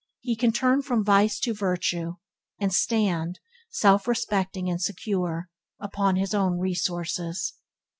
He can turn from vice to virtue, and stand, self respecting and secure, upon his own resources.